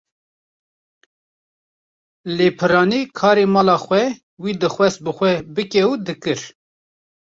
Lê piranî karê mala xwe wê dixwast bi xwe bike û dikir.